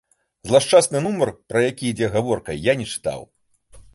Злашчасны нумар, пра які ідзе гаворка, я не чытаў.